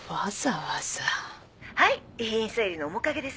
はい遺品整理のおもかげです